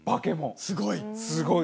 すごい？